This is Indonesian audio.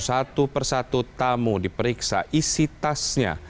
satu persatu tamu diperiksa isi tasnya